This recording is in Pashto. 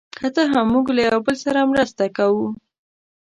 که څه هم، موږ له یو بل سره مرسته کوو.